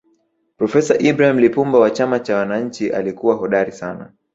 profesa ibrahim lipumba wa chama cha wananchi alikuwa hodari sana